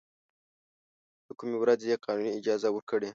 له کومې ورځې یې قانوني اجازه ورکړې.